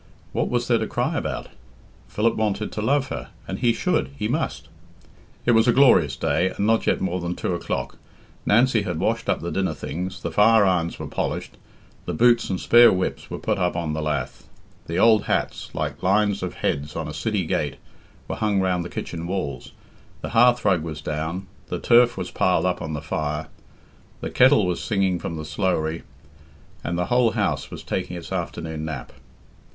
What was there to cry about? Philip wanted to love her, and he should, he must. It was a glorious day, and not yet more than two o'clock. Nancy had washed up the dinner things, the fire irons were polished, the boots and spare whips were put up on, the lath, the old hats like lines of heads on a city gate were hung round the kitchen walls, the hearthrug was down, the turf was piled up on the fire, the kettle was singing from the slowrie, and the whole house was taking its afternoon nap.